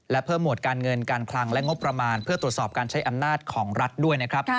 และเพิ่มหมวดการเงินการคลังและงบประมาณเพื่อตรวจสอบการใช้อำนาจของรัฐด้วยนะครับ